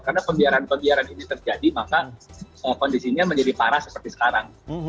karena pembiaran pembiaran ini terjadi maka kondisinya menjadi parah seperti sekarang